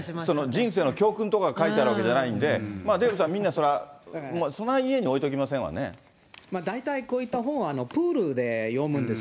人生の教訓とか書いてあるわけじゃないんで、デーブさん、みんなそりゃそない家に置いときませんわね。大体こういった本はプールで読むんです。